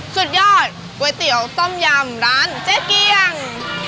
สุดยอดก๋วยเตี๋ยวต้มยำร้านเจ๊เกียง